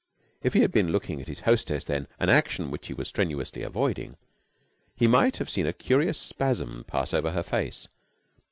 If he had been looking at his hostess then, an action which he was strenuously avoiding, he might have seen a curious spasm pass over her face.